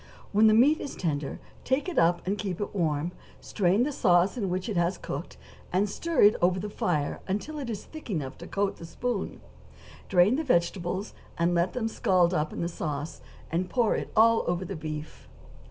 When the meat is tender, take it up, and keep it warm; strain the sauce in which it has cooked, and stir it over the fire until it is thick enough to coat the spoon; drain the vegetables, and let them scald up in the sauce, and pour all over the beef.